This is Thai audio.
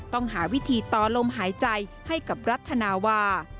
ต้องหาวิธีต่อลมหายใจให้กับรัฐนาวา